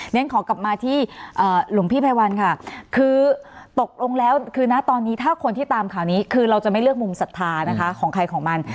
ขอกลับมาที่หลวงพี่ไพรวันค่ะคือตกลงแล้วคือนะตอนนี้ถ้าคนที่ตามข่าวนี้คือเราจะไม่เลือกมุมศรัทธานะคะของใครของมัน